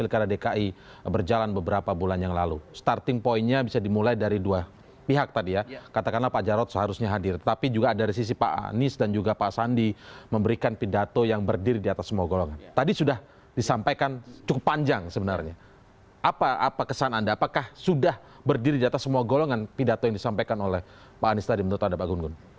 karena dki berjalan beberapa bulan yang lalu starting pointnya bisa dimulai dari dua pihak tadi ya katakanlah pak jarod seharusnya hadir tapi juga ada dari sisi pak anies dan juga pak sandi memberikan pidato yang berdiri di atas semua golongan tadi sudah disampaikan cukup panjang sebenarnya apa apa kesan anda apakah sudah berdiri di atas semua golongan pidato yang disampaikan oleh pak anies tadi menurut anda pak gun gun